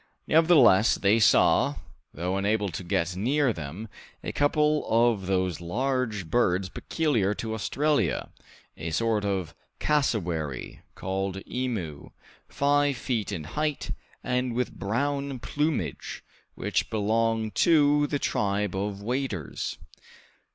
Nevertheless, they saw, though unable to get near them, a couple of those large birds peculiar to Australia, a sort of cassowary, called emu, five feet in height, and with brown plumage, which belong to the tribe of waders.